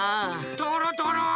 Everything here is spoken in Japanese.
とろとろ！